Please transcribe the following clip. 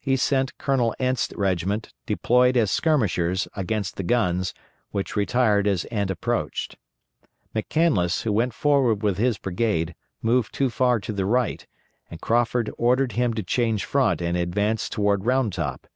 He sent Colonel Ent's regiment, deployed as skirmishers, against the guns, which retired as Ent approached. McCandless, who went forward with his brigade, moved too far to the right, and Crawford ordered him to change front and advance toward Round Top.